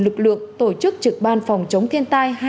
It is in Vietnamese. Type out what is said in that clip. lực lượng tổ chức trực ban phòng chống thiên tai